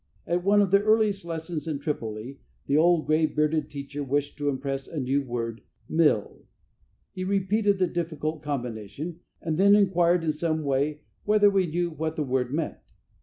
At one of the earliest lessons in Tripoli, the old, gray bearded teacher wished to impress a new word, "Milh." He repeated the difficult combination, and then inquired in some way whether we knew what the word meant.